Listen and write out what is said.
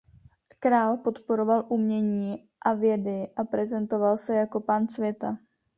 Král podporoval umění a vědy a prezentoval se jako pán světa.